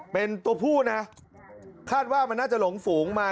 เป็นตัวผู้นะคาดว่ามันน่าจะหลงฝูงมา